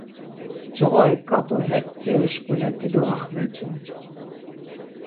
Coğorik ǩat̆u hek dziruşkule dido axvetzu.